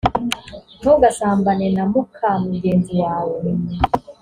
ntugasambane na muka mugenzi wawe